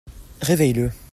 Réveille-le.